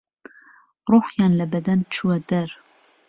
ڕوحيان له بهدەن چووه دەر